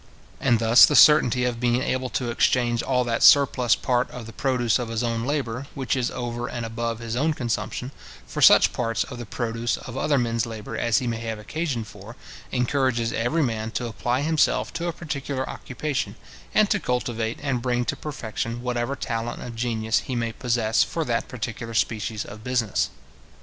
And thus the certainty of being able to exchange all that surplus part of the produce of his own labour, which is over and above his own consumption, for such parts of the produce of other men's labour as he may have occasion for, encourages every man to apply himself to a particular occupation, and to cultivate and bring to perfection whatever talent of genius he may possess for that particular species of business.